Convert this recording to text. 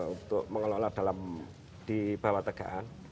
untuk mengelola dalam di bawah tegaan